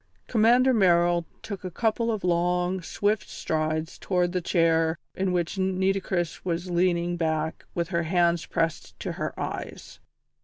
Commander Merrill took a couple of long, swift strides towards the chair in which Nitocris was leaning back with her hands pressed to her eyes.